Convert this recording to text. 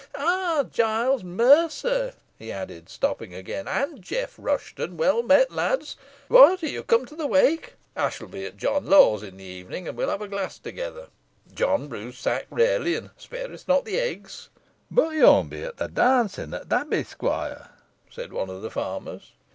Ah, Giles Mercer," he added, stopping again, "and Jeff Rushton well met, lads! what, are you come to the wake? I shall be at John Lawe's in the evening, and we'll have a glass together John brews sack rarely, and spareth not the eggs." "Boh yo'n be at th' dawncing at th' Abbey, squoire," said one of the farmers.